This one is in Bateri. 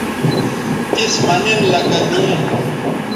تِس مہ نن لکہ لوں